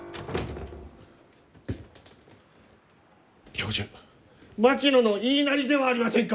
教授槙野の言いなりではありませんか！？